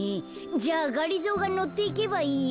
じゃあがりぞーがのっていけばいいよ。